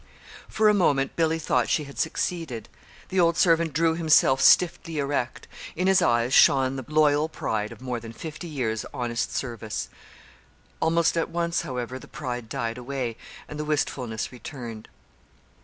For a moment Billy thought she had succeeded. The old servant drew himself stiffly erect. In his eyes shone the loyal pride of more than fifty years' honest service. Almost at once, however, the pride died away, and the wistfulness returned.